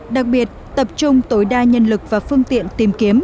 đặc biệt tập trung tối đa nhân lực và phương tiện tìm kiếm